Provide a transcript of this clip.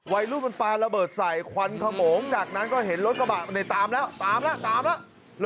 วัยรุ่นมันปลาระเบิดใส่ควันขโมงจากนั้นก็เห็นรถกระบะในตามแล้วตามแล้วตามแล้ว